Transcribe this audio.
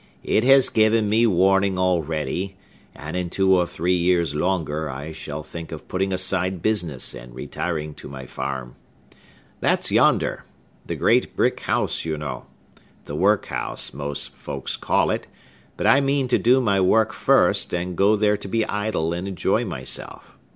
It has given me warning already; and in two or three years longer, I shall think of putting aside business and retiring to my farm. That's yonder,—the great brick house, you know,—the workhouse, most folks call it; but I mean to do my work first, and go there to be idle and enjoy myself.